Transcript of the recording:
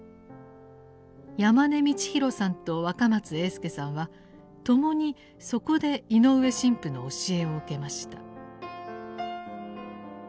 山根道公さんと若松英輔さんは共にそこで井上神父の教えを受けました。